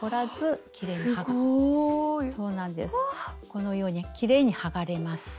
このようにきれいに剥がれます。